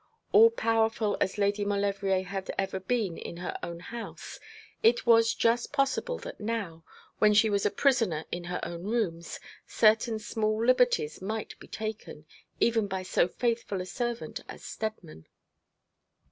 All powerful as Lady Maulevrier had ever been in her own house, it was just possible that now, when she was a prisoner in her own rooms, certain small liberties might be taken, even by so faithful a servant as Steadman.